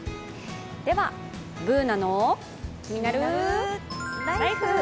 では、「ＢｏｏｎａのキニナルＬＩＦＥ」。